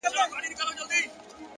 اخلاق د انسان تر شتمنۍ لوړ دي!.